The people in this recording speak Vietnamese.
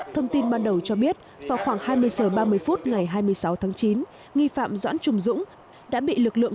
thông tin ban đầu cho biết vào khoảng hai mươi h ba mươi phút ngày hai mươi sáu tháng chín nghi phạm doãn trùng dũng đã bị lực lượng